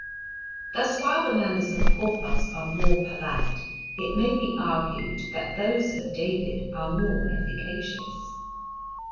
Thus while the manners of Porthos are more polite it may be argued that those of David are more efficacious.